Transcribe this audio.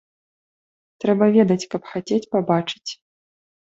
Трэба ведаць, каб хацець пабачыць.